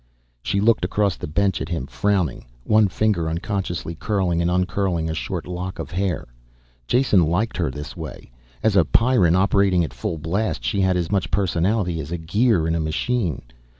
She looked across the bench at him, frowning. One finger unconsciously curling and uncurling a short lock of hair. Jason liked her this way. As a Pyrran operating at full blast she had as much personality as a gear in a machine.